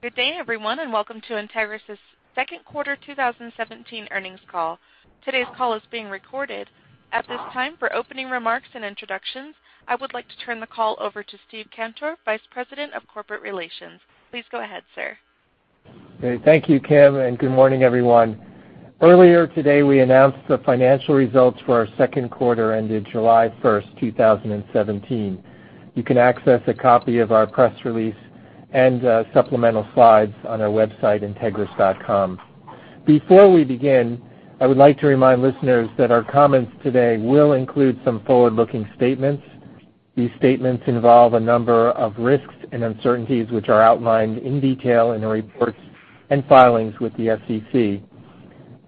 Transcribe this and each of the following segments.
Good day everyone, welcome to Entegris' second quarter 2017 earnings call. Today's call is being recorded. At this time, for opening remarks and introductions, I would like to turn the call over to Steve Cantor, Vice President of Corporate Relations. Please go ahead, sir. Great. Thank you, Kim, good morning everyone. Earlier today, we announced the financial results for our second quarter ended July 1st, 2017. You can access a copy of our press release and supplemental slides on our website, entegris.com. Before we begin, I would like to remind listeners that our comments today will include some forward-looking statements. These statements involve a number of risks and uncertainties, which are outlined in detail in our reports and filings with the SEC.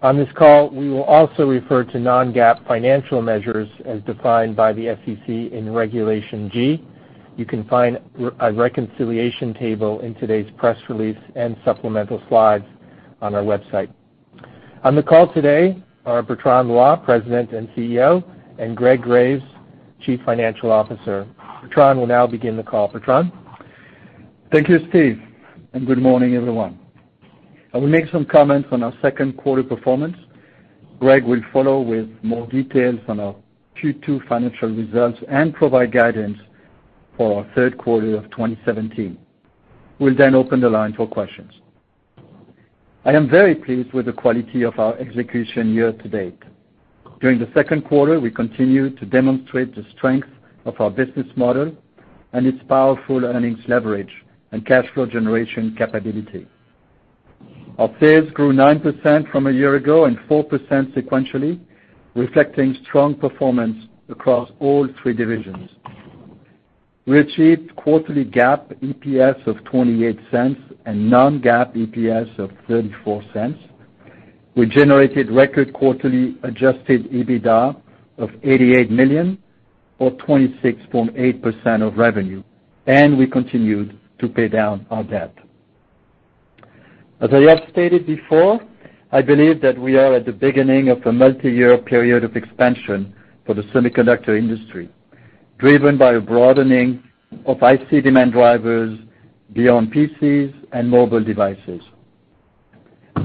On this call, we will also refer to non-GAAP financial measures as defined by the SEC in Regulation G. You can find a reconciliation table in today's press release and supplemental slides on our website. On the call today are Bertrand Loy, President and CEO, and Greg Graves, Chief Financial Officer. Bertrand will now begin the call. Bertrand? Thank you, Steve, good morning everyone. I will make some comments on our second quarter performance. Greg will follow with more details on our Q2 financial results and provide guidance for our third quarter of 2017. We'll open the line for questions. I am very pleased with the quality of our execution year to date. During the second quarter, we continued to demonstrate the strength of our business model and its powerful earnings leverage and cash flow generation capability. Our sales grew 9% from a year ago and 4% sequentially, reflecting strong performance across all three divisions. We achieved quarterly GAAP EPS of $0.28 and non-GAAP EPS of $0.34. We generated record quarterly adjusted EBITDA of $88 million or 26.8% of revenue, we continued to pay down our debt. As I have stated before, I believe that we are at the beginning of a multi-year period of expansion for the semiconductor industry, driven by a broadening of IC demand drivers beyond PCs and mobile devices.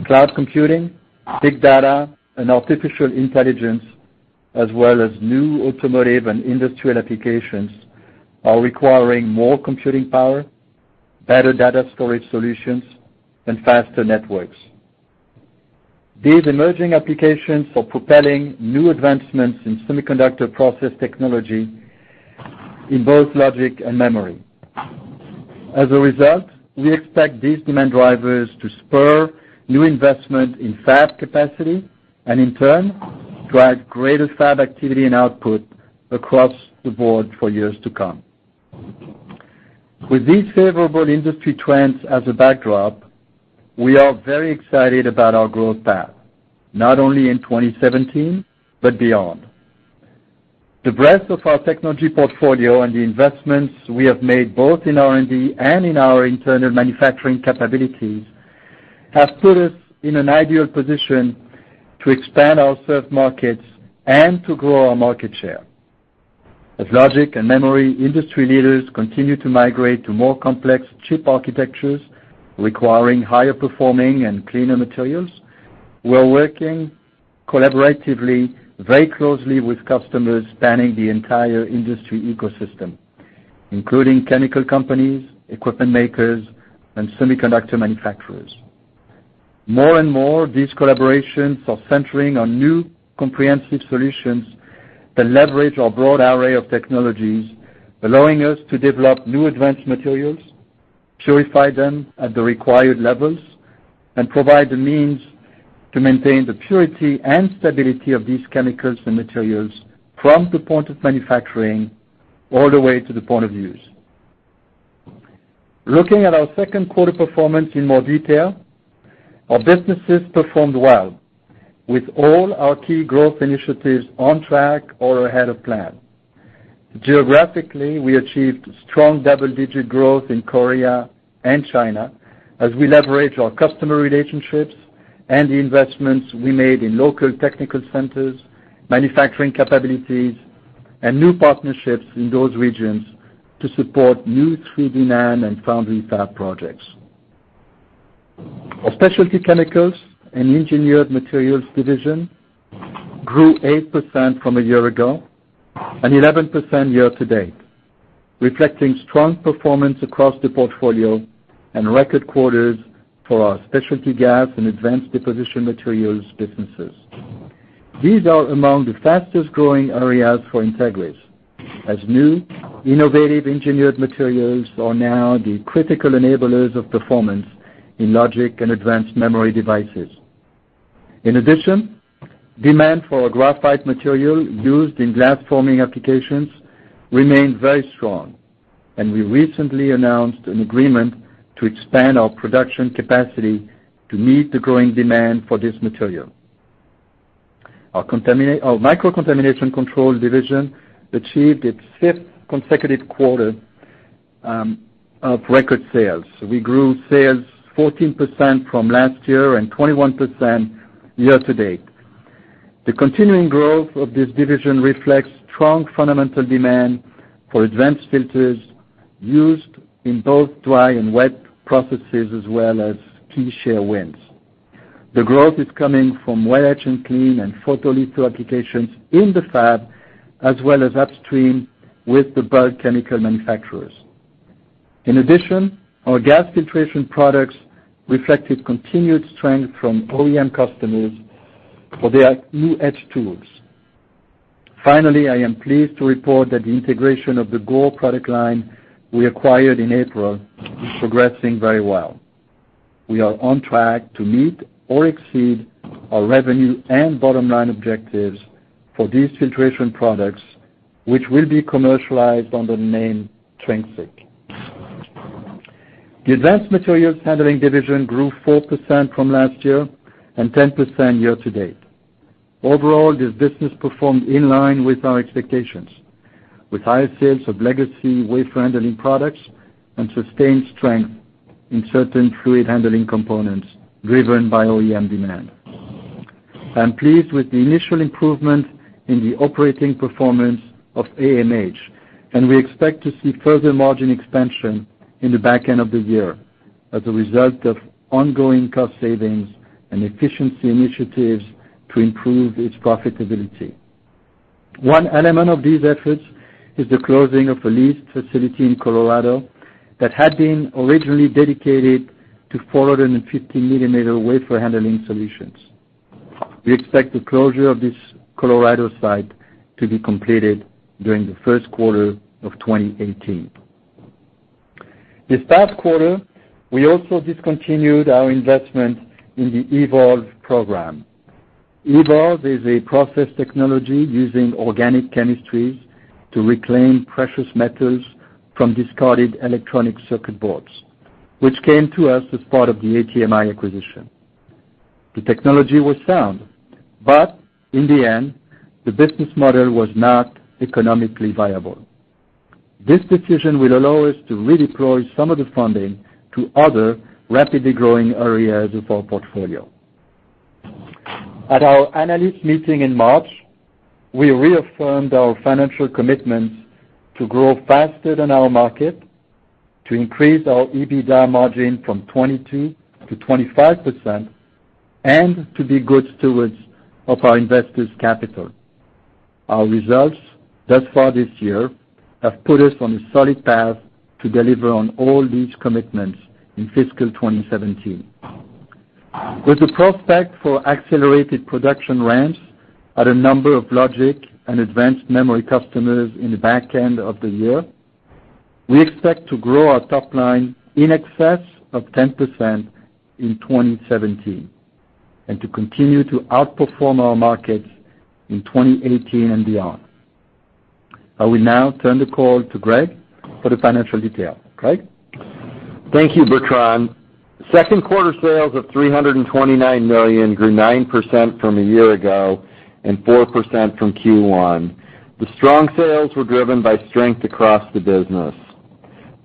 Cloud computing, big data, and artificial intelligence, as well as new automotive and industrial applications, are requiring more computing power, better data storage solutions, and faster networks. These emerging applications are propelling new advancements in semiconductor process technology in both logic and memory. As a result, we expect these demand drivers to spur new investment in fab capacity and in turn, drive greater fab activity and output across the board for years to come. With these favorable industry trends as a backdrop, we are very excited about our growth path, not only in 2017 but beyond. The breadth of our technology portfolio and the investments we have made both in R&D and in our internal manufacturing capabilities have put us in an ideal position to expand our served markets and to grow our market share. As logic and memory industry leaders continue to migrate to more complex chip architectures requiring higher performing and cleaner materials, we're working collaboratively very closely with customers spanning the entire industry ecosystem, including chemical companies, equipment makers, and semiconductor manufacturers. More and more, these collaborations are centering on new comprehensive solutions that leverage our broad array of technologies, allowing us to develop new advanced materials, purify them at the required levels, and provide the means to maintain the purity and stability of these chemicals and materials from the point of manufacturing all the way to the point of use. Looking at our second quarter performance in more detail, our businesses performed well with all our key growth initiatives on track or ahead of plan. Geographically, we achieved strong double-digit growth in Korea and China as we leverage our customer relationships and the investments we made in local technical centers, manufacturing capabilities, and new partnerships in those regions to support new 3D NAND and foundry fab projects. Our Specialty Chemicals and Engineered Materials division grew 8% from a year ago and 11% year to date, reflecting strong performance across the portfolio and record quarters for our specialty gas and Advanced Deposition Materials businesses. These are among the fastest-growing areas for Entegris as new innovative engineered materials are now the critical enablers of performance in logic and advanced memory devices. Demand for our graphite material used in glass forming applications remained very strong, and we recently announced an agreement to expand our production capacity to meet the growing demand for this material. Our Microcontamination Control division achieved its fifth consecutive quarter of record sales. We grew sales 14% from last year and 21% year to date. The continuing growth of this division reflects strong fundamental demand for advanced filters used in both dry and wet processes, as well as key share wins. The growth is coming from wet etch and clean and photolitho applications in the fab, as well as upstream with the bulk chemical manufacturers. Our gas filtration products reflected continued strength from OEM customers for their new etch tools. I am pleased to report that the integration of the Gore product line we acquired in April is progressing very well. We are on track to meet or exceed our revenue and bottom-line objectives for these filtration products, which will be commercialized under the name TranSiC. The Advanced Materials Handling division grew 4% from last year and 10% year to date. Overall, this business performed in line with our expectations, with high sales of legacy wafer handling products and sustained strength in certain fluid handling components driven by OEM demand. I'm pleased with the initial improvement in the operating performance of AMH, and we expect to see further margin expansion in the back end of the year as a result of ongoing cost savings and efficiency initiatives to improve its profitability. One element of these efforts is the closing of a leased facility in Colorado that had been originally dedicated to 450-millimeter wafer handling solutions. We expect the closure of this Colorado site to be completed during the first quarter of 2018. This past quarter, we also discontinued our investment in the eVOLV program. eVOLV is a process technology using organic chemistries to reclaim precious metals from discarded electronic circuit boards, which came to us as part of the ATMI acquisition. The technology was sound, but in the end, the business model was not economically viable. This decision will allow us to redeploy some of the funding to other rapidly growing areas of our portfolio. At our analyst meeting in March, we reaffirmed our financial commitments to grow faster than our market, to increase our EBITDA margin from 22% to 25%, and to be good stewards of our investors' capital. Our results thus far this year have put us on a solid path to deliver on all these commitments in fiscal 2017. With the prospect for accelerated production ramps at a number of logic and advanced memory customers in the back end of the year, we expect to grow our top line in excess of 10% in 2017 and to continue to outperform our markets in 2018 and beyond. I will now turn the call to Greg for the financial detail. Greg? Thank you, Bertrand. Second quarter sales of $329 million grew 9% from a year ago and 4% from Q1. The strong sales were driven by strength across the business.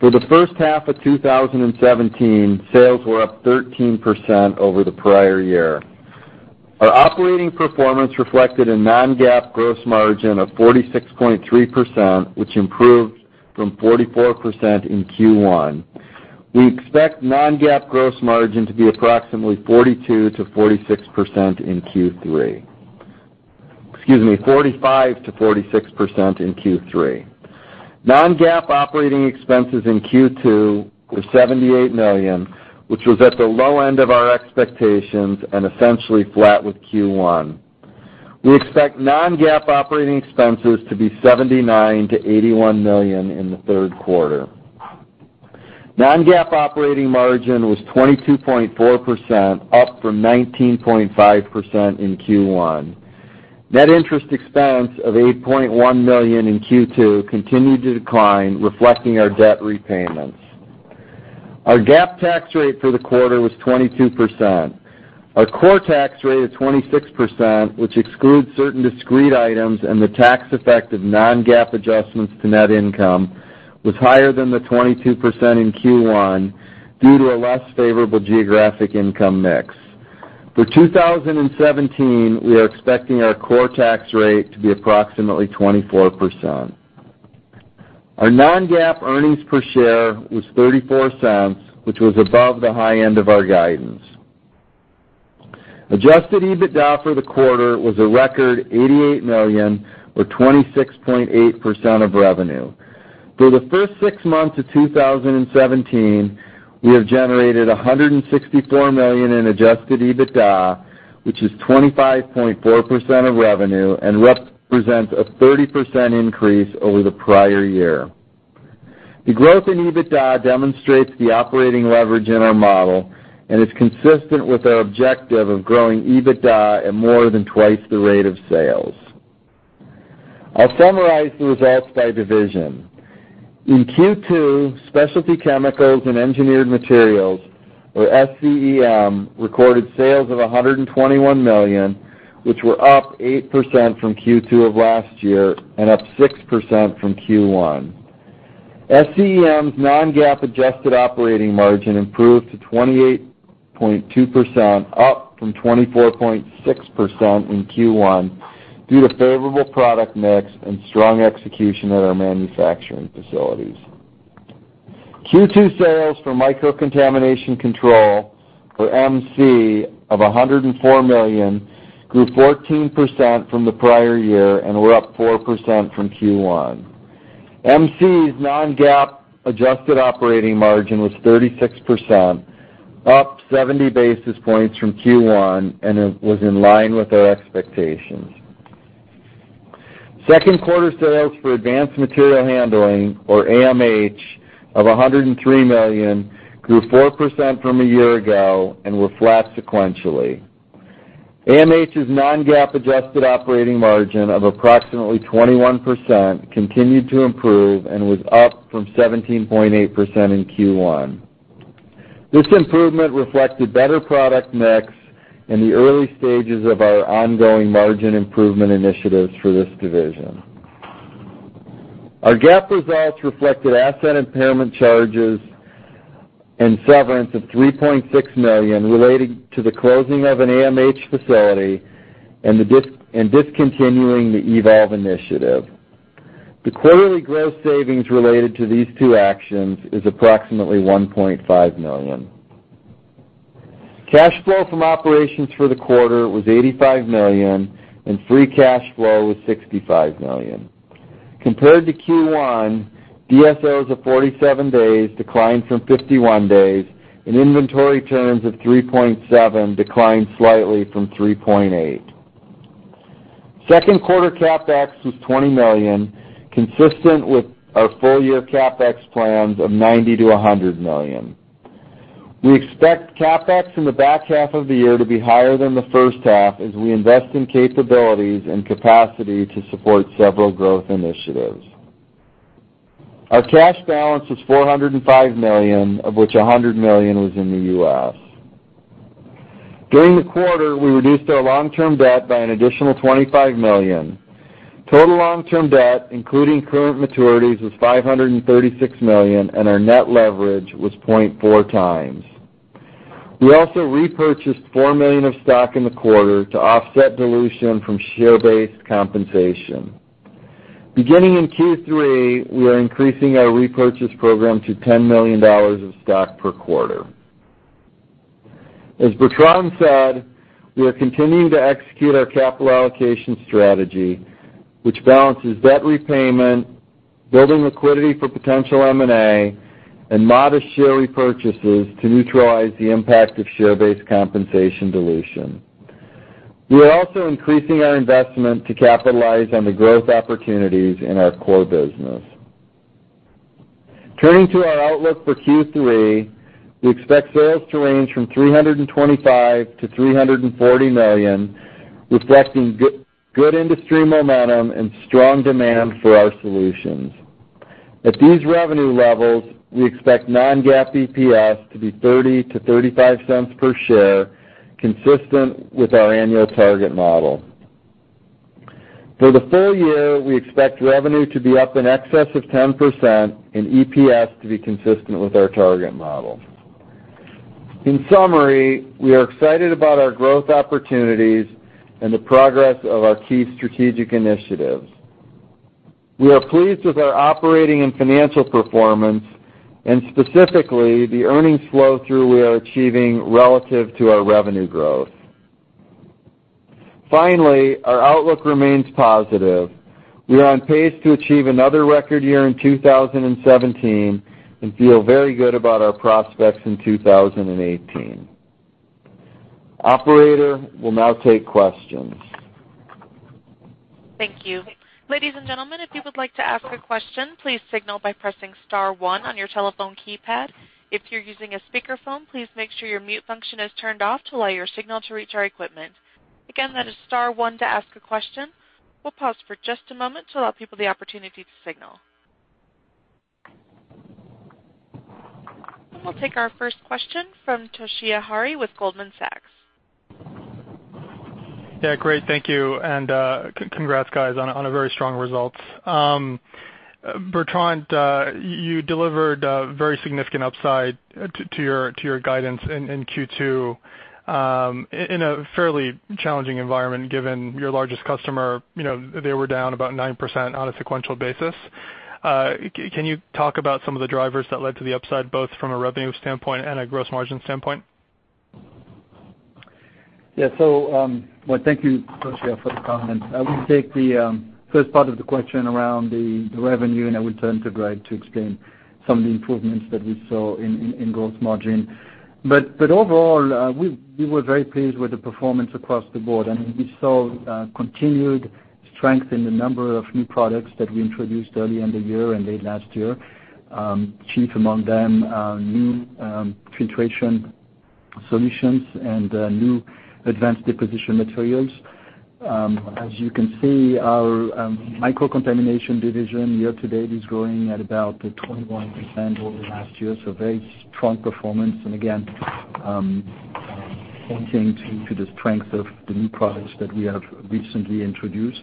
For the first half of 2017, sales were up 13% over the prior year. Our operating performance reflected a non-GAAP gross margin of 46.3%, which improved from 44% in Q1. We expect non-GAAP gross margin to be approximately 42%-46% in Q3. Excuse me, 45%-46% in Q3. Non-GAAP operating expenses in Q2 were $78 million, which was at the low end of our expectations and essentially flat with Q1. We expect non-GAAP operating expenses to be $79 million-$81 million in the third quarter. Non-GAAP operating margin was 22.4%, up from 19.5% in Q1. Net interest expense of $8.1 million in Q2 continued to decline, reflecting our debt repayments. Our GAAP tax rate for the quarter was 22%. Our core tax rate of 26%, which excludes certain discrete items and the tax effect of non-GAAP adjustments to net income, was higher than the 22% in Q1 due to a less favorable geographic income mix. For 2017, we are expecting our core tax rate to be approximately 24%. Our non-GAAP earnings per share was $0.34, which was above the high end of our guidance. Adjusted EBITDA for the quarter was a record $88 million, or 26.8% of revenue. For the first six months of 2017, we have generated $164 million in adjusted EBITDA, which is 25.4% of revenue and represents a 30% increase over the prior year. The growth in EBITDA demonstrates the operating leverage in our model and is consistent with our objective of growing EBITDA at more than twice the rate of sales. I'll summarize the results by division. In Q2, Specialty Chemicals and Engineered Materials, or SCEM, recorded sales of $121 million, which were up 8% from Q2 of last year and up 6% from Q1. SCEM's non-GAAP adjusted operating margin improved to 28.2%, up from 24.6% in Q1, due to favorable product mix and strong execution at our manufacturing facilities. Q2 sales for Microcontamination control, or MC, of $104 million, grew 14% from the prior year and were up 4% from Q1. MC's non-GAAP adjusted operating margin was 36%, up 70 basis points from Q1, and it was in line with our expectations. Second quarter sales for Advanced Material Handling, or AMH, of $103 million, grew 4% from a year ago and were flat sequentially. AMH's non-GAAP adjusted operating margin of approximately 21% continued to improve and was up from 17.8% in Q1. This improvement reflected better product mix in the early stages of our ongoing margin improvement initiatives for this division. Our GAAP results reflected asset impairment charges and severance of $3.6 million related to the closing of an AMH facility and discontinuing the eVOLV initiative. The quarterly gross savings related to these two actions is approximately $1.5 million. Cash flow from operations for the quarter was $85 million, and free cash flow was $65 million. Compared to Q1, DSOs of 47 days declined from 51 days, and inventory turns of 3.7 declined slightly from 3.8. Second quarter CapEx was $20 million, consistent with our full-year CapEx plans of $90 million-$100 million. We expect CapEx in the back half of the year to be higher than the first half as we invest in capabilities and capacity to support several growth initiatives. Our cash balance was $405 million, of which $100 million was in the U.S. During the quarter, we reduced our long-term debt by an additional $25 million. Total long-term debt, including current maturities, was $536 million, and our net leverage was 0.4 times. We also repurchased $4 million of stock in the quarter to offset dilution from share-based compensation. Beginning in Q3, we are increasing our repurchase program to $10 million of stock per quarter. As Bertrand said, we are continuing to execute our capital allocation strategy, which balances debt repayment, building liquidity for potential M&A, and modest share repurchases to neutralize the impact of share-based compensation dilution. We are also increasing our investment to capitalize on the growth opportunities in our core business. Turning to our outlook for Q3, we expect sales to range from $325 million-$340 million, reflecting good industry momentum and strong demand for our solutions. At these revenue levels, we expect non-GAAP EPS to be $0.30-$0.35 per share, consistent with our annual target model. For the full year, we expect revenue to be up in excess of 10% and EPS to be consistent with our target model. In summary, we are excited about our growth opportunities and the progress of our key strategic initiatives. We are pleased with our operating and financial performance, and specifically, the earnings flow-through we are achieving relative to our revenue growth. Finally, our outlook remains positive. We are on pace to achieve another record year in 2017 and feel very good about our prospects in 2018. Operator, we'll now take questions. Thank you. Ladies and gentlemen, if you would like to ask a question, please signal by pressing star one on your telephone keypad. If you're using a speakerphone, please make sure your mute function is turned off to allow your signal to reach our equipment. Again, that is star one to ask a question. We'll pause for just a moment to allow people the opportunity to signal. We'll take our first question from Toshiya Hari with Goldman Sachs. Yeah, great. Thank you, and congrats, guys, on a very strong result. Bertrand, you delivered a very significant upside to your guidance in Q2 in a fairly challenging environment given your largest customer, they were down about 9% on a sequential basis. Can you talk about some of the drivers that led to the upside, both from a revenue standpoint and a gross margin standpoint? Thank you, Toshiya, for the comment. I will take the first part of the question around the revenue, I will turn to Greg to explain some of the improvements that we saw in gross margin. Overall, we were very pleased with the performance across the board, we saw continued strength in the number of new products that we introduced early in the year and late last year. Chief among them are new filtration solutions and new Advanced Deposition Materials. As you can see, our Microcontamination Division year to date is growing at about 21% over last year. Very strong performance. Again, Pointing to the strength of the new products that we have recently introduced.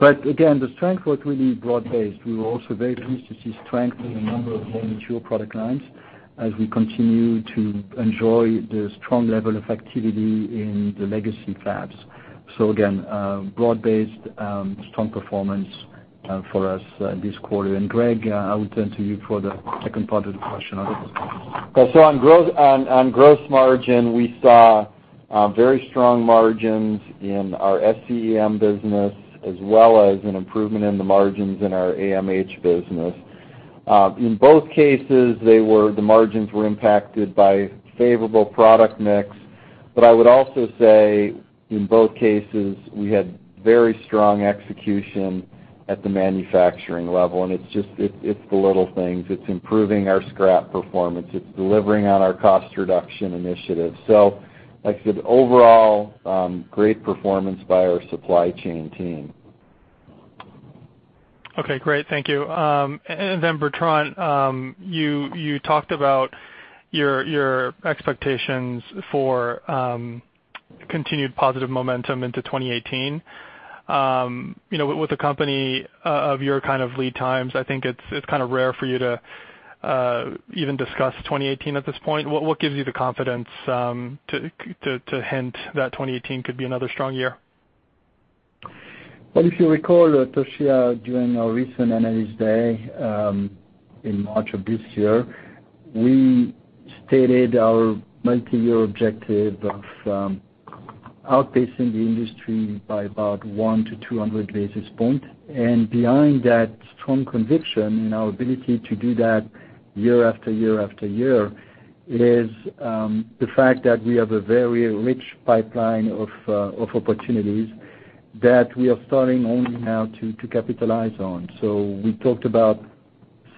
Again, the strength was really broad-based. We were also very pleased to see strength in a number of more mature product lines as we continue to enjoy the strong level of activity in the legacy fabs. Again, broad-based, strong performance for us this quarter. Greg, I will turn to you for the second part of the question. On gross margin, we saw very strong margins in our SCEM business, as well as an improvement in the margins in our AMH business. In both cases, the margins were impacted by favorable product mix. I would also say in both cases, we had very strong execution at the manufacturing level, and it's the little things. It's improving our scrap performance. It's delivering on our cost reduction initiatives. Like I said, overall, great performance by our supply chain team. Okay, great. Thank you. Bertrand, you talked about your expectations for continued positive momentum into 2018. With a company of your kind of lead times, I think it's kind of rare for you to even discuss 2018 at this point. What gives you the confidence to hint that 2018 could be another strong year? If you recall, Toshiya, during our recent analyst day in March of this year, we stated our multi-year objective of outpacing the industry by about one to 200 basis points. Behind that strong conviction in our ability to do that year after year after year, is the fact that we have a very rich pipeline of opportunities that we are starting only now to capitalize on. We talked about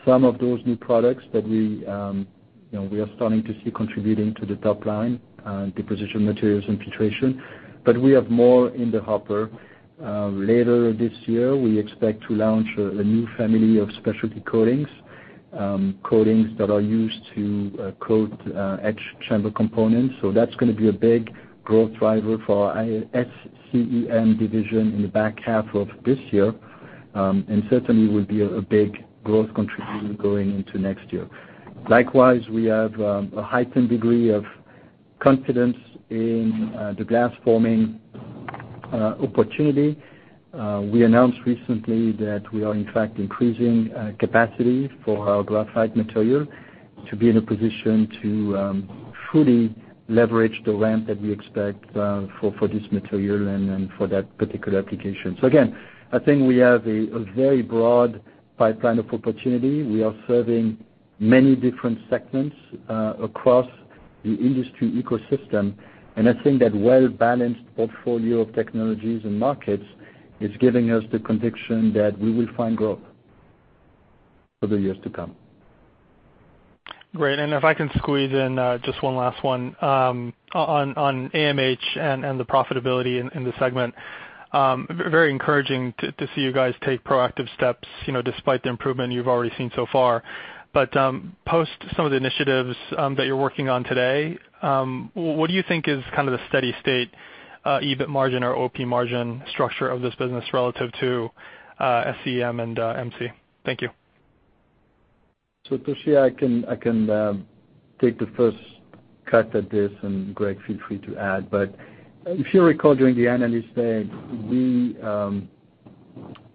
some of those new products that we are starting to see contributing to the top line, Deposition Materials and filtration. We have more in the hopper. Later this year, we expect to launch a new family of specialty coatings that are used to coat etch chamber components. That's going to be a big growth driver for our SCEM division in the back half of this year. Certainly, will be a big growth contributor going into next year. Likewise, we have a heightened degree of confidence in the glass forming opportunity. We announced recently that we are in fact increasing capacity for our graphite material to be in a position to fully leverage the ramp that we expect for this material and then for that particular application. Again, I think we have a very broad pipeline of opportunity. We are serving many different segments across the industry ecosystem, and I think that well-balanced portfolio of technologies and markets is giving us the conviction that we will find growth for the years to come. If I can squeeze in just one last one. On AMH and the profitability in the segment. Very encouraging to see you guys take proactive steps despite the improvement you've already seen so far. Post some of the initiatives that you're working on today, what do you think is kind of the steady state EBIT margin or OP margin structure of this business relative to SCEM and MC? Thank you. Toshiya, I can take the first cut at this, and Greg, feel free to add. If you recall, during the analyst day, we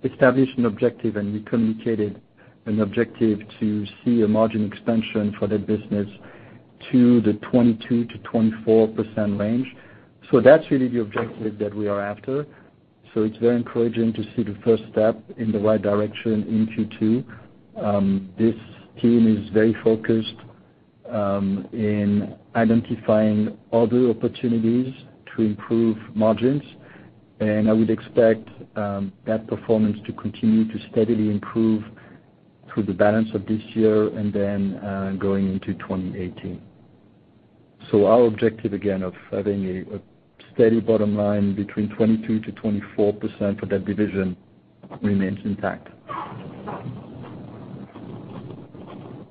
established an objective, and we communicated an objective to see a margin expansion for that business to the 22%-24% range. That's really the objective that we are after. It's very encouraging to see the first step in the right direction in Q2. This team is very focused in identifying other opportunities to improve margins, and I would expect that performance to continue to steadily improve through the balance of this year and then going into 2018. Our objective, again, of having a steady bottom line between 22%-24% for that division remains intact.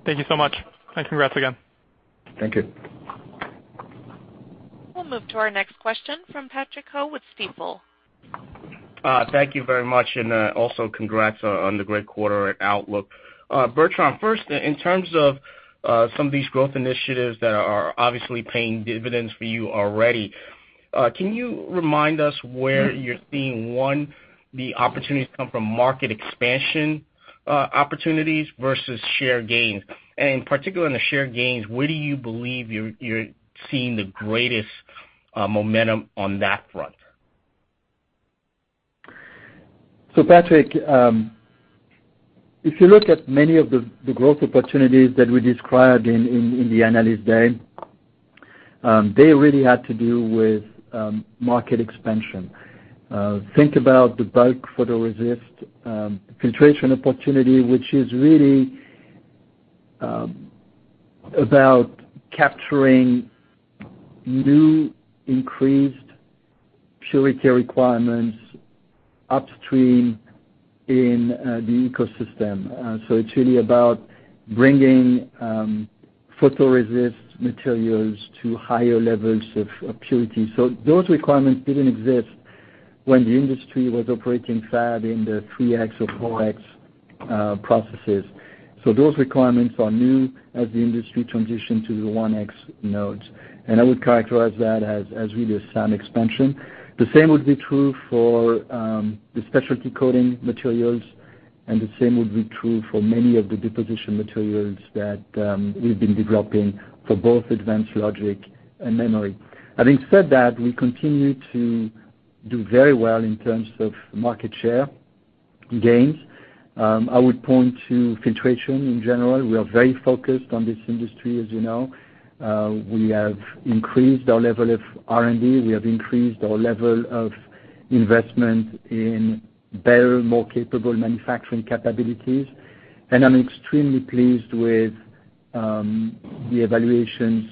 Thank you so much, and congrats again. Thank you. We'll move to our next question from Patrick Ho with Stifel. Thank you very much, and also congrats on the great quarter outlook. Bertrand, first, in terms of some of these growth initiatives that are obviously paying dividends for you already, can you remind us where you're seeing, one, the opportunities come from market expansion opportunities versus share gains? Particularly in the share gains, where do you believe you're seeing the greatest momentum on that front? Patrick, if you look at many of the growth opportunities that we described in the analyst day, they really had to do with market expansion. Think about the bulk photoresist filtration opportunity, which is really about capturing new increased purity requirements upstream in the ecosystem. It's really about bringing photoresist materials to higher levels of purity. Those requirements didn't exist when the industry was operating fab in the 3X or 4X processes. Those requirements are new as the industry transitioned to the 1X nodes. I would characterize that as really a SAM expansion. The same would be true for the specialty coating materials, the same would be true for many of the deposition materials that we've been developing for both advanced logic and memory. Having said that, we continue to do very well in terms of market share gains. I would point to filtration in general. We are very focused on this industry, as you know. We have increased our level of R&D. We have increased our level of investment in better, more capable manufacturing capabilities. I'm extremely pleased with the evaluations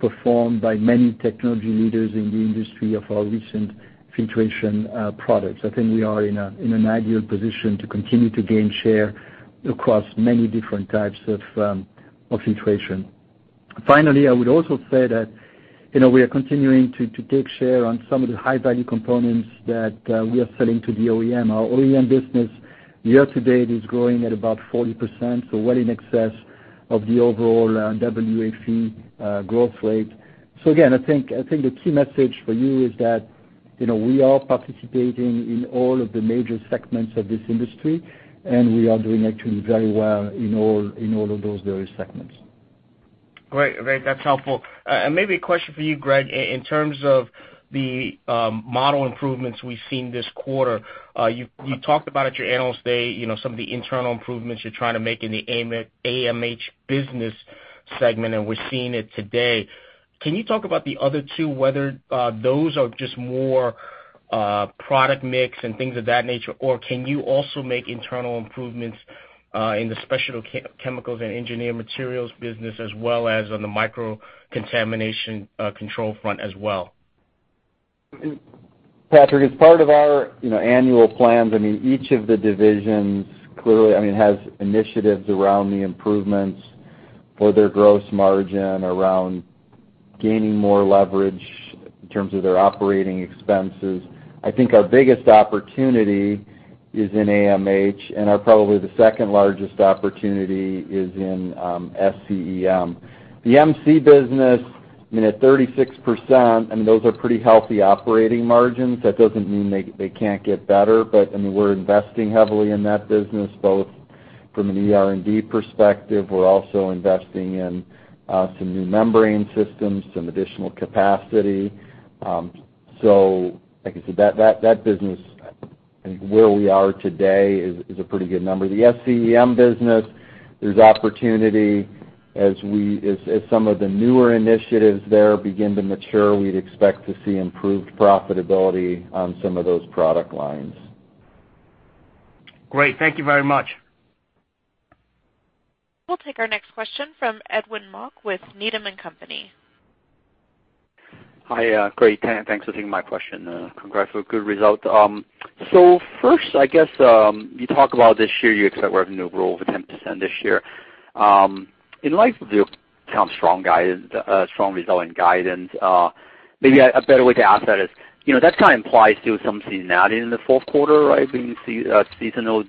performed by many technology leaders in the industry of our recent filtration products. I think we are in an ideal position to continue to gain share across many different types of filtration. Finally, I would also say that we are continuing to take share on some of the high-value components that we are selling to the OEM. Our OEM business year to date is growing at about 40%, so well in excess of the overall WFE growth rate. Again, I think the key message for you is that we are participating in all of the major segments of this industry, and we are doing actually very well in all of those various segments. Great. That's helpful. Maybe a question for you, Greg. In terms of the model improvements we've seen this quarter, you talked about at your analyst day, some of the internal improvements you're trying to make in the AMH business segment, and we're seeing it today. Can you talk about the other two, whether those are just more product mix and things of that nature, or can you also make internal improvements in the Specialty Chemicals and Engineered Materials business as well as on the Micro Contamination Control front as well? Patrick, as part of our annual plans, each of the divisions clearly has initiatives around the improvements for their gross margin, around gaining more leverage in terms of their operating expenses. I think our biggest opportunity is in AMH, and our probably the second largest opportunity is in SCEM. The MC business, at 36%, those are pretty healthy operating margins. That doesn't mean they can't get better, but we're investing heavily in that business, both from the R&D perspective. We're also investing in some new membrane systems, some additional capacity. Like I said, that business and where we are today is a pretty good number. The SCEM business, there's opportunity. As some of the newer initiatives there begin to mature, we'd expect to see improved profitability on some of those product lines. Great. Thank you very much. We'll take our next question from Edwin Mok with Needham & Company. Hi, great. Thanks for taking my question. Congrats for a good result. First, I guess, you talk about this year, you expect revenue growth of 10% this year. In light of the strong result and guidance, maybe a better way to ask that is, that kind of implies still some seasonality in the fourth quarter, right? Being seasonal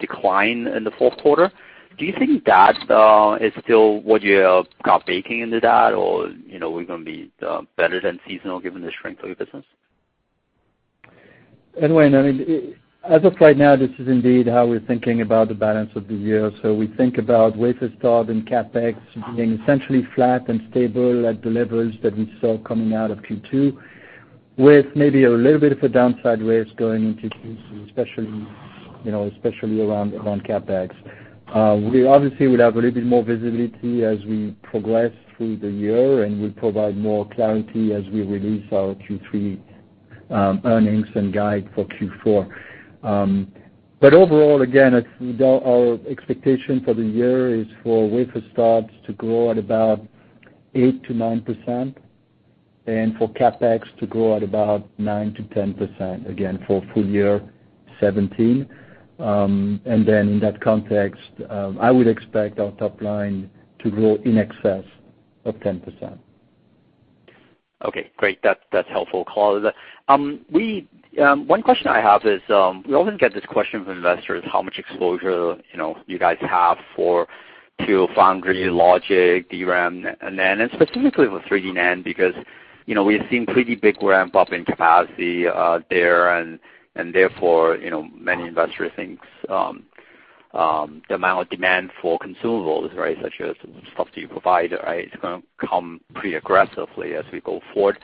decline in the fourth quarter. Do you think that is still what you are kind of baking into that, or we're going to be better than seasonal given the strength of your business? Edwin, as of right now, this is indeed how we're thinking about the balance of the year. We think about wafer start and CapEx being essentially flat and stable at the levels that we saw coming out of Q2, with maybe a little bit of a downside risk going into Q3, especially around CapEx. We obviously will have a little bit more visibility as we progress through the year, and we'll provide more clarity as we release our Q3 earnings and guide for Q4. Overall, again, our expectation for the year is for wafer starts to grow at about 8% to 9% and for CapEx to grow at about 9% to 10%, again, for full year 2017. In that context, I would expect our top line to grow in excess of 10%. Okay, great. That's helpful. One question I have is, we often get this question from investors, how much exposure you guys have to foundry logic, DRAM, NAND, and specifically for 3D NAND, because we've seen pretty big ramp up in capacity there, and therefore, many investors think the amount of demand for consumables, such as stuff that you provide, it's going to come pretty aggressively as we go forward.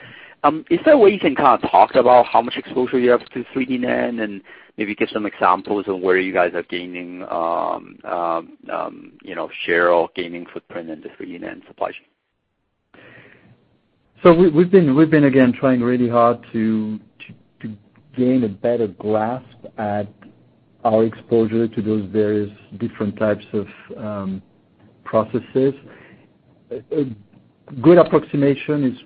Is there a way you can kind of talk about how much exposure you have to 3D NAND and maybe give some examples of where you guys are gaining share or gaining footprint in the 3D NAND supply chain? We've been, again, trying really hard to gain a better grasp at our exposure to those various different types of processes. A good approximation is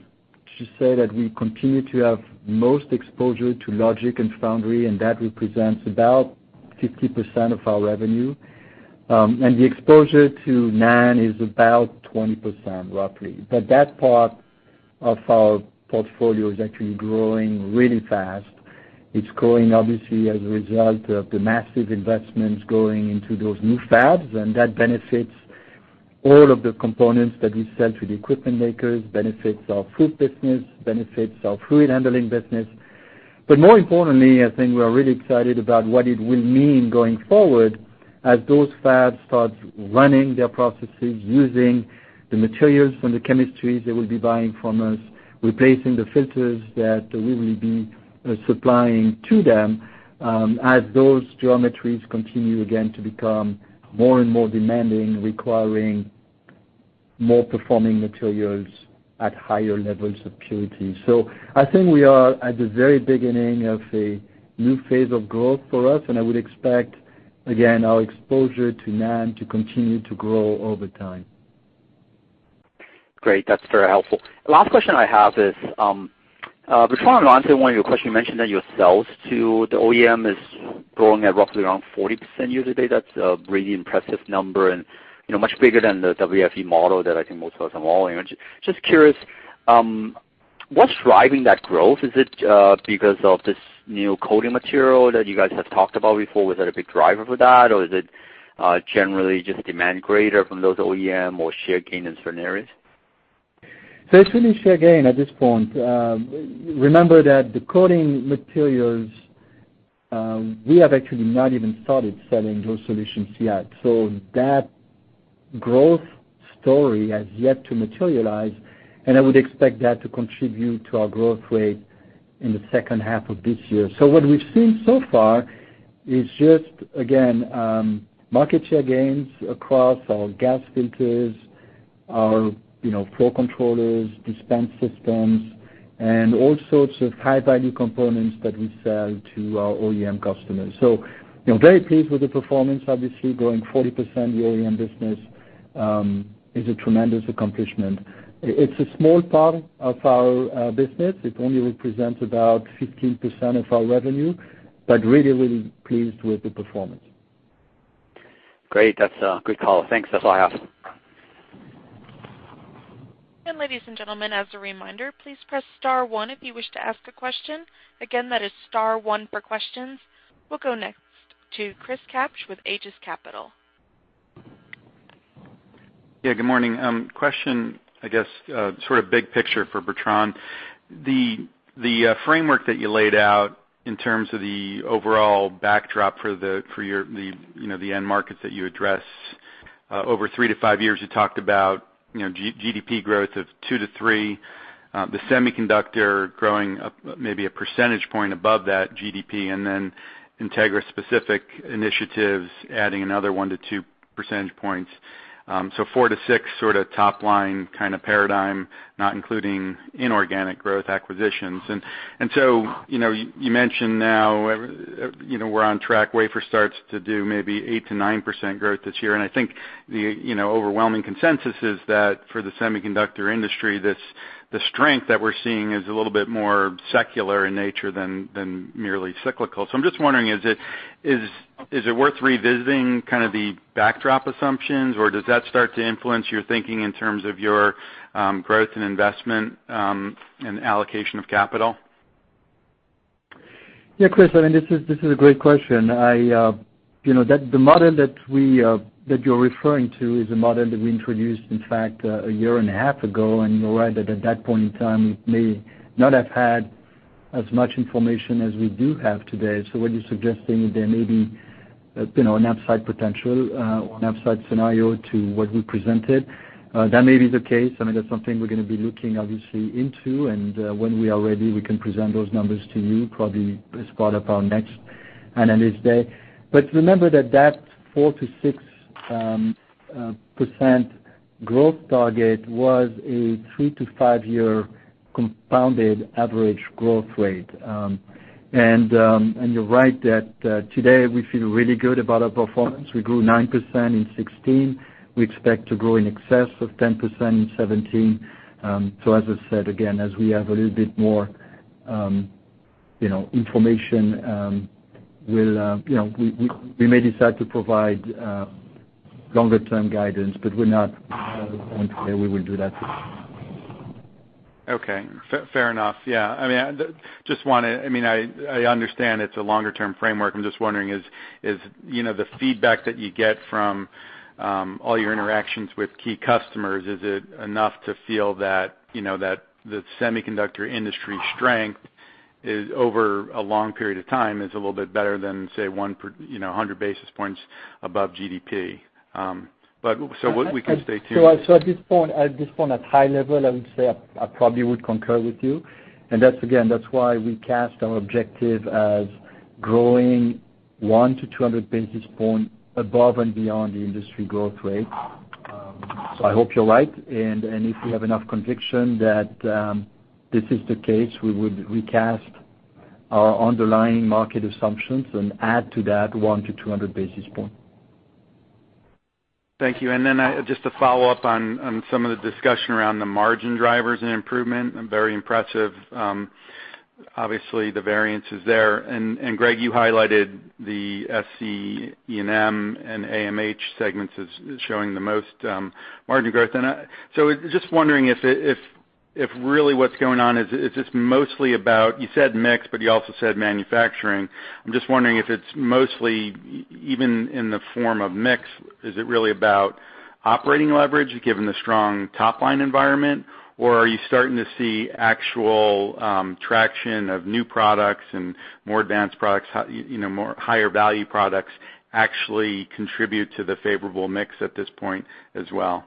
to say that we continue to have most exposure to logic and foundry, and that represents about 50% of our revenue. The exposure to NAND is about 20%, roughly. That part of our portfolio is actually growing really fast. It's growing, obviously, as a result of the massive investments going into those new fabs, and that benefits all of the components that we sell to the equipment makers, benefits our fluid business, benefits our fluid handling business. More importantly, I think we are really excited about what it will mean going forward as those fabs start running their processes using the materials from the chemistries they will be buying from us, replacing the filters that we will be supplying to them, as those geometries continue again to become more and more demanding, requiring more performing materials at higher levels of purity. I think we are at the very beginning of a new phase of growth for us, and I would expect, again, our exposure to NAND to continue to grow over time. Great. That's very helpful. Last question I have is, Bertrand, in answer to one of your questions, you mentioned that your sales to the OEM is growing at roughly around 40% year-to-date. That's a really impressive number and much bigger than the WFE model that I think most of us are modeling. Just curious, what's driving that growth? Is it because of this new coating material that you guys have talked about before? Was that a big driver for that, or is it generally just demand greater from those OEM or share gain in certain areas? It's really share gain at this point. Remember that the coating materials, we have actually not even started selling those solutions yet. That growth story has yet to materialize, and I would expect that to contribute to our growth rate in the second half of this year. What we've seen so far is just, again, market share gains across our gas filters, our flow controllers, dispense systems, and all sorts of high-value components that we sell to our OEM customers. Very pleased with the performance. Obviously, growing 40% the OEM business is a tremendous accomplishment. It's a small part of our business. It only represents about 15% of our revenue, but really pleased with the performance. Great. That's a good call. Thanks. That's all I have. Ladies and gentlemen, as a reminder, please press star one if you wish to ask a question. Again, that is star one for questions. We'll go next to Christopher Kapsch with Aegis Capital. Good morning. Question, I guess, sort of big picture for Bertrand. The framework that you laid out in terms of the overall backdrop for the end markets that you address. Over three to five years, you talked about GDP growth of 2% to 3%, the semiconductor growing maybe 1 percentage point above that GDP, and then Entegris specific initiatives adding another 1 to 2 percentage points. So 4% to 6% sort of top line kind of paradigm, not including inorganic growth acquisitions. You mentioned now, we're on track, wafer starts to do maybe 8% to 9% growth this year. I think the overwhelming consensus is that for the semiconductor industry, the strength that we're seeing is a little bit more secular in nature than merely cyclical. I'm just wondering, is it worth revisiting kind of the backdrop assumptions, or does that start to influence your thinking in terms of your growth and investment, and allocation of capital? Chris, this is a great question. The model that you're referring to is a model that we introduced, in fact, a year and a half ago. You're right that at that point in time, we may not have had as much information as we do have today. What you're suggesting is there may be an upside potential or an upside scenario to what we presented. That may be the case. That's something we're going to be looking obviously into, and when we are ready, we can present those numbers to you probably as part of our next Analyst Day. Remember that that 4%-6% growth target was a three to five-year compounded average growth rate. You're right that today we feel really good about our performance. We grew 9% in 2016. We expect to grow in excess of 10% in 2017. As I said, again, as we have a little bit more information, we may decide to provide longer-term guidance, but we're not there. We will do that. Okay. Fair enough. Yeah. I understand it's a longer-term framework. I'm just wondering, is the feedback that you get from all your interactions with key customers, is it enough to feel that the semiconductor industry strength over a long period of time is a little bit better than, say, 100 basis points above GDP? We can stay tuned. At this point, at high level, I would say I probably would concur with you. That's again, that's why we cast our objective as growing one to 200 basis point above and beyond the industry growth rate. I hope you're right. If we have enough conviction that this is the case, we would recast our underlying market assumptions and add to that one to 200 basis point. Thank you. Just to follow up on some of the discussion around the margin drivers and improvement, very impressive. Obviously, the variance is there. Greg, you highlighted the SCEM, and AMH segments as showing the most margin growth. Just wondering if really what's going on is it's mostly about, you said mix, but you also said manufacturing. I'm just wondering if it's mostly, even in the form of mix, is it really about operating leverage given the strong top-line environment? Or are you starting to see actual traction of new products and more advanced products, higher-value products actually contribute to the favorable mix at this point as well?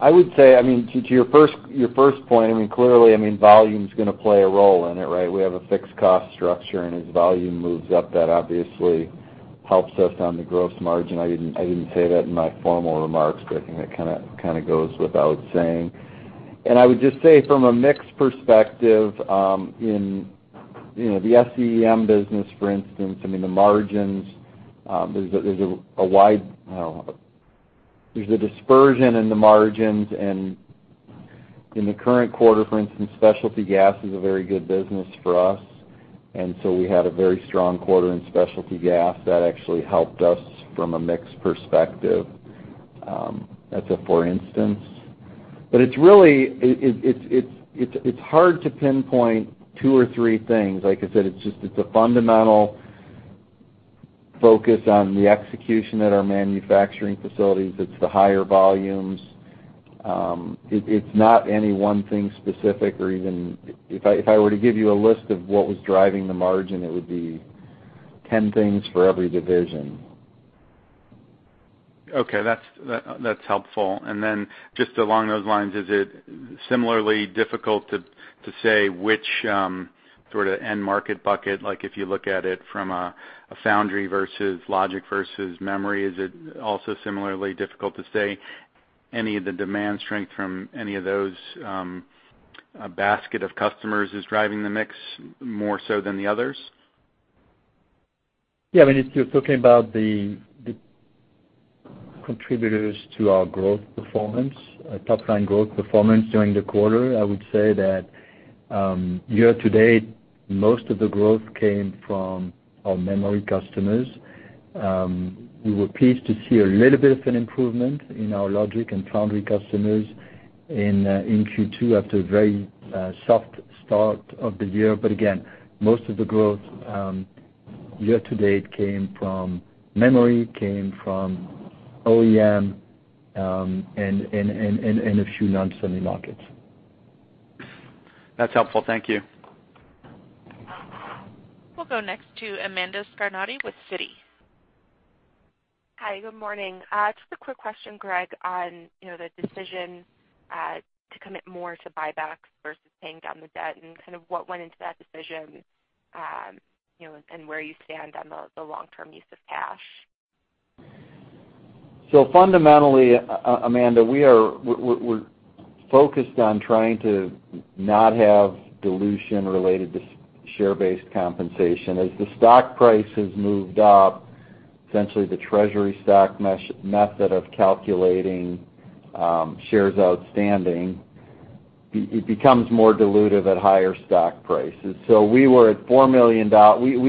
I would say, to your first point, clearly, volume's going to play a role in it, right? We have a fixed cost structure, as volume moves up, that obviously helps us on the gross margin. I didn't say that in my formal remarks, but I think that kind of goes without saying. I would just say from a mix perspective, in the SCEM business, for instance, the margins, there's a dispersion in the margins. In the current quarter, for instance, specialty gas is a very good business for us. We had a very strong quarter in specialty gas. That actually helped us from a mix perspective. That's a for instance. It's hard to pinpoint two or three things. Like I said, it's a fundamental focus on the execution at our manufacturing facilities. It's the higher volumes. It's not any one thing specific. If I were to give you a list of what was driving the margin, it would be 10 things for every division. Okay. That's helpful. Just along those lines, is it similarly difficult to say which sort of end market bucket, like if you look at it from a foundry versus logic versus memory, is it also similarly difficult to say any of the demand strength from any of those basket of customers is driving the mix more so than the others? Yeah. If you're talking about the contributors to our top-line growth performance during the quarter, I would say that year-to-date, most of the growth came from our memory customers. We were pleased to see a little bit of an improvement in our logic and foundry customers in Q2 after a very soft start of the year. Again, most of the growth year-to-date came from memory, came from OEM, and a few non-semi markets. That's helpful. Thank you. We'll go next to Amanda Scarnati with Citi. Hi, good morning. Just a quick question, Greg, on the decision to commit more to buybacks versus paying down the debt and kind of what went into that decision, and where you stand on the long-term use of cash. Fundamentally, Amanda, we're focused on trying to not have dilution related to share-based compensation. As the stock price has moved up, essentially the treasury stock method of calculating shares outstanding, it becomes more dilutive at higher stock prices. We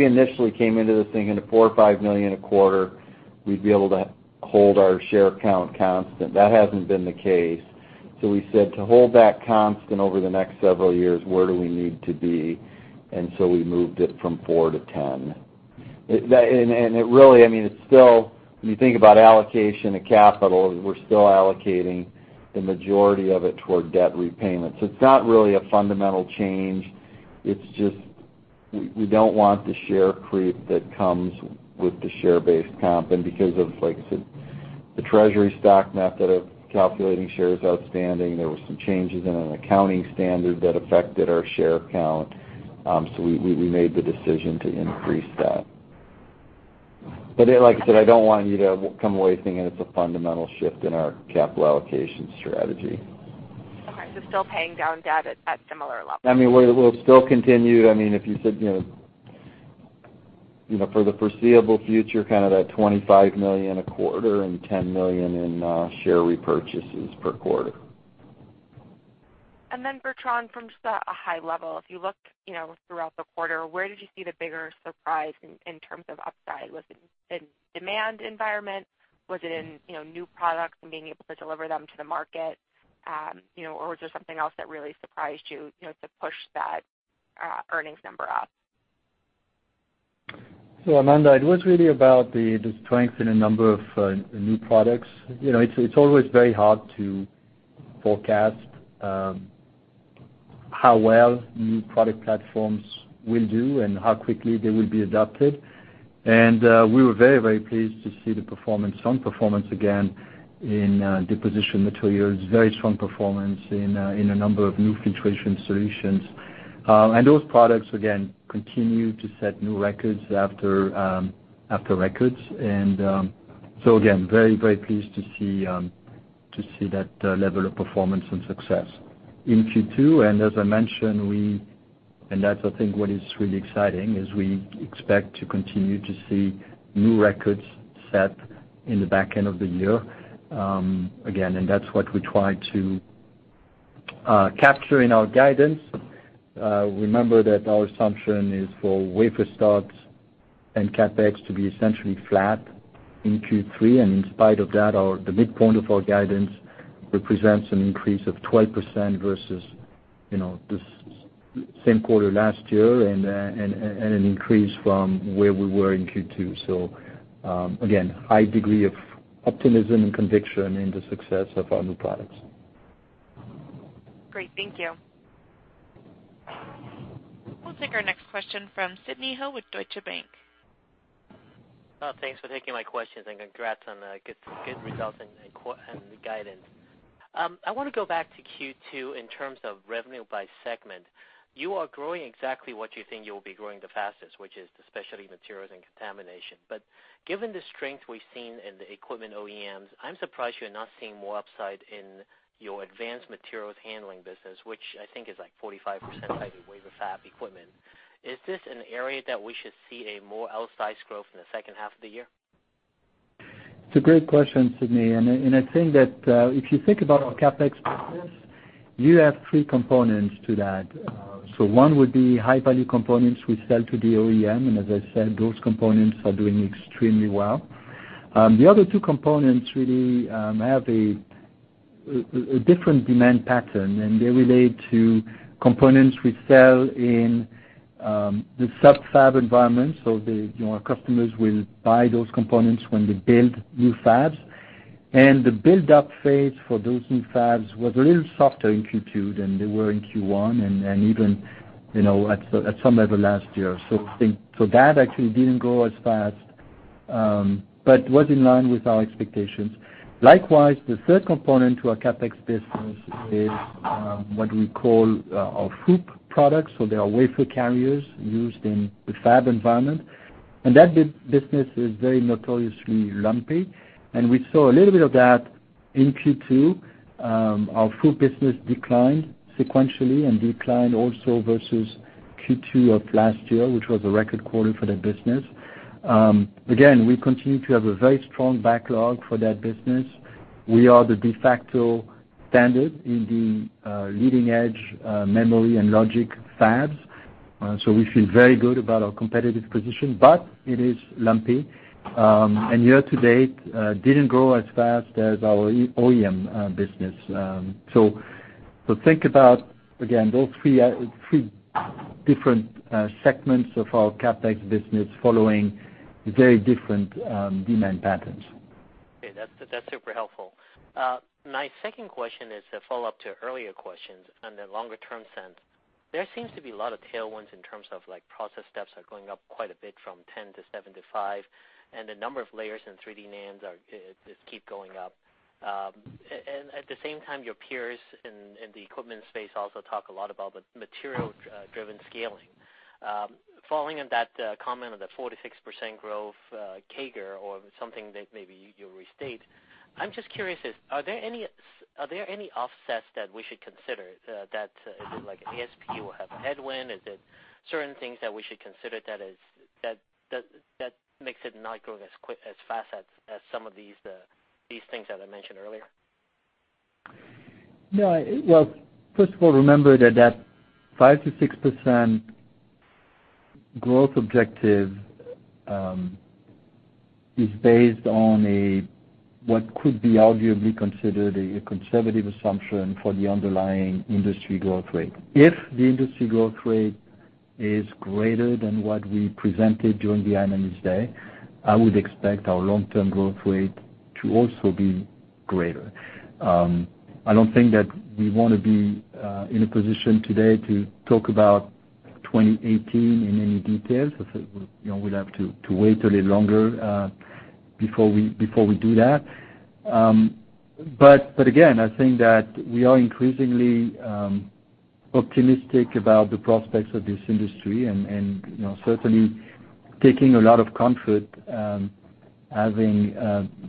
initially came into this thing into $4 million or $5 million a quarter, we'd be able to hold our share count constant. That hasn't been the case. We said, to hold that constant over the next several years, where do we need to be? We moved it from 4 to 10. It really, it's still, when you think about allocation of capital, we're still allocating the majority of it toward debt repayment. It's not really a fundamental change. It's just we don't want the share creep that comes with the share-based comp. Because of, like I said, the treasury stock method of calculating shares outstanding, there were some changes in an accounting standard that affected our share count. We made the decision to increase that. Like I said, I don't want you to come away thinking it's a fundamental shift in our capital allocation strategy. Okay, still paying down debt at similar levels. We'll still continue. If you said for the foreseeable future, kind of that $25 million a quarter and $10 million in share repurchases per quarter. Bertrand, from just a high level, if you looked throughout the quarter, where did you see the bigger surprise in terms of upside? Was it in demand environment? Was it in new products and being able to deliver them to the market? Or was there something else that really surprised you to push that earnings number up? Amanda, it was really about the strength in a number of new products. It's always very hard to forecast how well new product platforms will do and how quickly they will be adopted. We were very pleased to see the performance, strong performance again in deposition materials, very strong performance in a number of new filtration solutions. Those products, again, continue to set new records after records. Again, very pleased to see that level of performance and success in Q2. As I mentioned, and that's I think what is really exciting, is we expect to continue to see new records set in the back end of the year. Again, and that's what we try to capture in our guidance. Remember that our assumption is for wafer starts and CapEx to be essentially flat in Q3. In spite of that, the midpoint of our guidance represents an increase of 12% versus the same quarter last year, and an increase from where we were in Q2. Again, high degree of optimism and conviction in the success of our new products. Great. Thank you. We'll take our next question from Sidney Ho with Deutsche Bank. Thanks for taking my questions and congrats on the good results and the guidance. I want to go back to Q2 in terms of revenue by segment. You are growing exactly what you think you'll be growing the fastest, which is the specialty materials and contamination. Given the strength we've seen in the equipment OEMs, I'm surprised you're not seeing more upside in your advanced materials handling business, which I think is like 45% maybe wafer fab equipment. Is this an area that we should see a more outsized growth in the second half of the year? It's a great question, Sidney. I think that, if you think about our CapEx business, you have three components to that. One would be high-value components we sell to the OEM, and as I said, those components are doing extremely well. The other two components really have a different demand pattern, and they relate to components we sell in the sub-fab environment. Our customers will buy those components when they build new fabs. The buildup phase for those new fabs was a little softer in Q2 than they were in Q1 and even at some level last year. That actually didn't grow as fast, but was in line with our expectations. Likewise, the third component to our CapEx business is what we call our FOUP products. They are wafer carriers used in the fab environment. That business is very notoriously lumpy, and we saw a little bit of that in Q2. Our FOUP business declined sequentially and declined also versus Q2 of last year, which was a record quarter for that business. Again, we continue to have a very strong backlog for that business. We are the de facto standard in the leading-edge memory and logic fabs, we feel very good about our competitive position. But it is lumpy. Year to date, didn't grow as fast as our OEM business. Think about, again, those three different segments of our CapEx business following very different demand patterns. Okay. That's super helpful. My second question is a follow-up to earlier questions on the longer term sense. There seems to be a lot of tailwinds in terms of process steps are going up quite a bit from 10 to 7 to 5, and the number of layers in 3D NANDs just keep going up. At the same time, your peers in the equipment space also talk a lot about the material-driven scaling. Following on that comment on the 46% growth CAGR or something that maybe you'll restate, I'm just curious, are there any offsets that we should consider? That like ASP will have a headwind? Is it certain things that we should consider that makes it not growing as fast as some of these things that I mentioned earlier? No. Well, first of all, remember that 5%-6% growth objective is based on what could be arguably considered a conservative assumption for the underlying industry growth rate. If the industry growth rate is greater than what we presented during the Analyst Day, I would expect our long-term growth rate to also be greater. I don't think that we want to be in a position today to talk about 2018 in any detail. We'll have to wait a little longer before we do that. Again, I think that we are increasingly optimistic about the prospects of this industry and certainly taking a lot of comfort having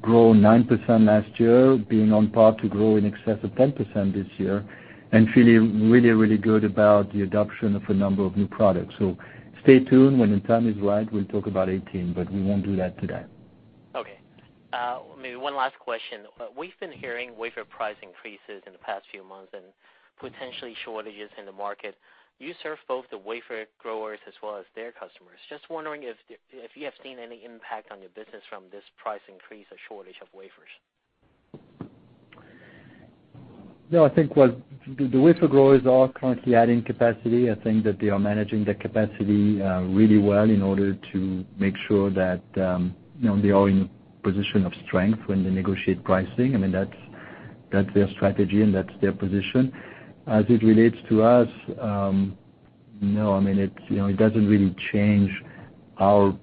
grown 9% last year, being on par to grow in excess of 10% this year, and feeling really, really good about the adoption of a number of new products. Stay tuned. When the time is right, we'll talk about 2018, but we won't do that today. Okay. Maybe one last question. We've been hearing wafer price increases in the past few months and potentially shortages in the market. You serve both the wafer growers as well as their customers. Just wondering if you have seen any impact on your business from this price increase or shortage of wafers. No, I think, well, the wafer growers are currently adding capacity. I think that they are managing their capacity really well in order to make sure that they are in a position of strength when they negotiate pricing. That's their strategy and that's their position. As it relates to us, no, it doesn't really change our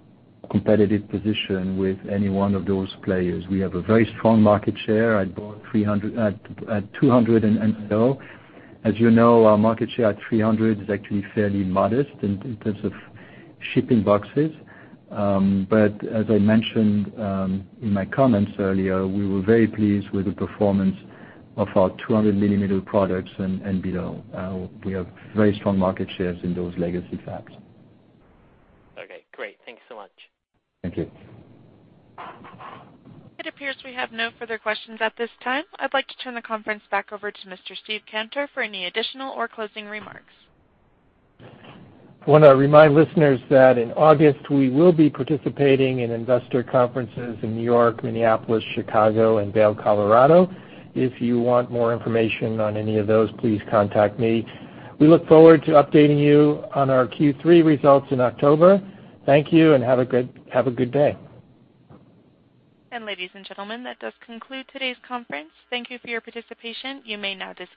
competitive position with any one of those players. We have a very strong market share at 200 and below. As you know, our market share at 300 is actually fairly modest in terms of shipping boxes. But as I mentioned in my comments earlier, we were very pleased with the performance of our 200-millimeter products and below. We have very strong market shares in those legacy fabs. Okay, great. Thank you so much. Thank you. It appears we have no further questions at this time. I'd like to turn the conference back over to Mr. Steve Cantor for any additional or closing remarks. I want to remind listeners that in August, we will be participating in investor conferences in New York, Minneapolis, Chicago, and Vail, Colorado. If you want more information on any of those, please contact me. We look forward to updating you on our Q3 results in October. Thank you and have a good day. Ladies and gentlemen, that does conclude today's conference. Thank you for your participation. You may now disconnect.